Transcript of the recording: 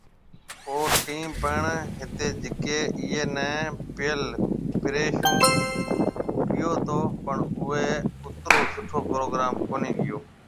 او ٽيم پڻ هتي جڪي ايئي ني پيل پريشون ڪيئو تو پڻ اوئي اترو سٺو پروگرام ڪونهي ڪيئو